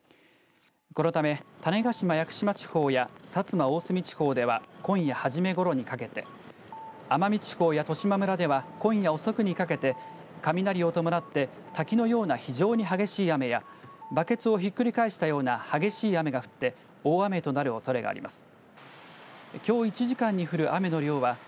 このため種子島、屋久島地方や薩摩、大隅地方では今夜初めごろにかけて奄美地方や十島村では今夜遅くにかけて雷を伴って滝のような非常に激しい雨やバケツをひっくり返したような激しい雨となって大雨となるおそれがあります。